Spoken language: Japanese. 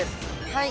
はい。